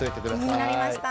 気になりました。